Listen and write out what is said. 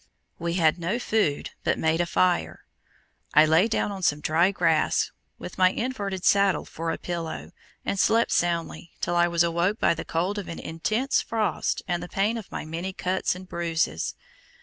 We had no food, but made a fire. I lay down on some dry grass, with my inverted saddle for a pillow, and slept soundly, till I was awoke by the cold of an intense frost and the pain of my many cuts and bruises.